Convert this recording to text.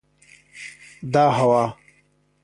دا هوا